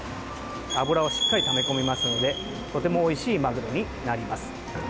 脂をしっかりため込みますのでとてもおいしいマグロになります。